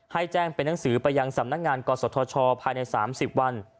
ให้แจ้งเป็นหนังสือไปยังสำนักงานกศธชภายใน๓๐วัน